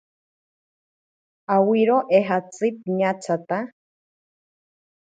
Awiro eejatzi piñatsata.